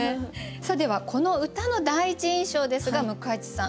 さあではこの歌の第一印象ですが向井地さん